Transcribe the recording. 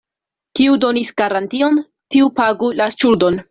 Kiu donis garantion, tiu pagu la ŝuldon.